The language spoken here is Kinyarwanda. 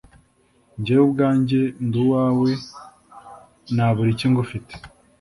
Njyewe ubwanjye nduwawe naburiki ngufite